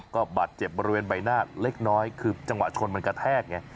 ก็บาดเจ็บบริเวณใบหน้าเล็กน้อยคือจังหวะชนมันกระแทกไง